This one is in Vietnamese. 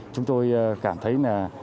chúng tôi cảm thấy